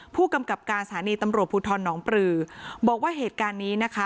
ผู้กำกับการสถานีตำรวจภูทรหนองปลือบอกว่าเหตุการณ์นี้นะคะ